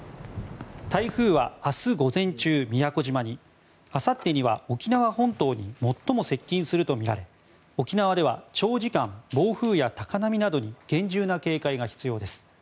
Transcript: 台風は明日午前中、宮古島にあさってには沖縄本島に最も接近するとみられ沖縄では長時間暴風や高波などに厳重な警戒が必要です。